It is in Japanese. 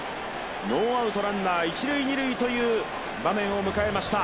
ノーアウト、ランナー一・二塁という場面を迎えました。